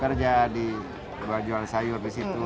kerja di bawah jual sayur di situ